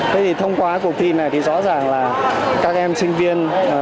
thế thì thông qua cuộc thi này thì rõ ràng là các em sinh viên